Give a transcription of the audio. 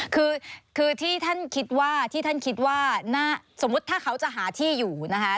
คือคือที่ท่านคิดว่าที่ท่านคิดว่าสมมุติถ้าเขาจะหาที่อยู่นะคะ